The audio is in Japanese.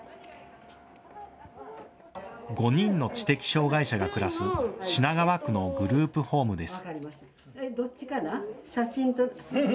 ５人の知的障害者が暮らす品川区のグループホームです。